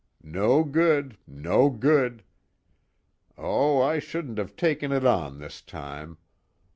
No good, no good. Oh, I shouldn't have taken it on this time.